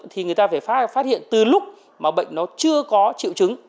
thì người ta phải phát hiện từ lúc mà bệnh nó chưa có triệu chứng